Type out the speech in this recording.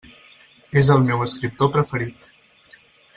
És el meu escriptor preferit.